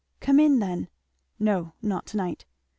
"Come in then." "No not to night."